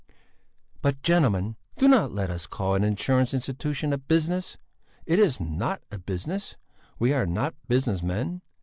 "But, gentlemen, do not let us call an Insurance Institution a business. It is not a business; we are not business men.